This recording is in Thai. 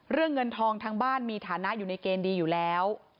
เงินทองทางบ้านมีฐานะอยู่ในเกณฑ์ดีอยู่แล้ว